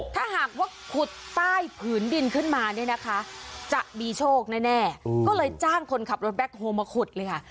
ถ้าหากว่าขุดใต้ผืนดินขึ้นมาเนี่ยนะคะจะมีโชคแน่ก็เลยจ้างคนขับรถแบ็คโฮลมาขุดเลยค่ะ